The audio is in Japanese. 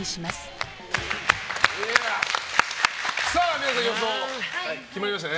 皆さん、予想決まりましたね。